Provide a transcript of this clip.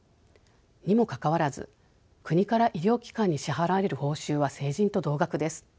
にもかかわらず国から医療機関に支払われる報酬は成人と同額です。